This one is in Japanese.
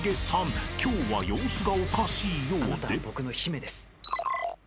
今日は様子がおかしいようで］